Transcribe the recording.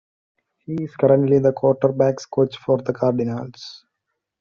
He is currently the quarterbacks coach for the Cardinals.